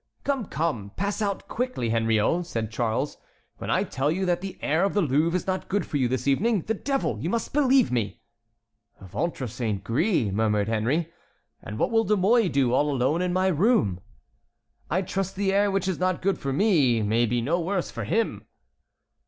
"Come, come! pass out quickly, Henriot," said Charles. "When I tell you that the air of the Louvre is not good for you this evening, the devil! you must believe me!" "Ventre saint gris!" murmured Henry; "and what will De Mouy do all alone in my room? I trust the air which is not good for me may be no worse for him!"